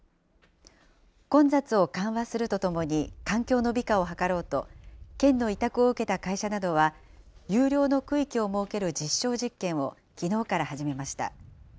混雑を緩和するとともに、環境の美化を図ろうと、県の委託を受けた会社などは有料の区域を設ける実証実験をきのうから始めました。